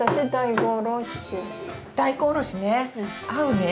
大根おろしね！